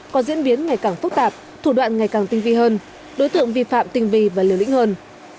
có diễn biến ngày càng phức tạp thủ đoạn ngày càng tinh vi hơn đối tượng vi phạm tinh vi và liều lĩnh hơn